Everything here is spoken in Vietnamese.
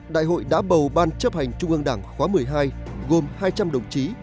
đại hội đã bầu ban chấp hành trung ương đảng khóa một mươi hai gồm hai trăm linh đồng chí